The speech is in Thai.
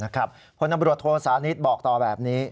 นะครับพนับรวจโทษานิดบอกต่อแบบนี้